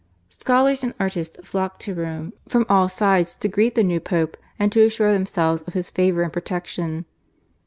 Scholars and artists flocked to Rome from all sides to greet the new Pope and to assure themselves of his favour and protection.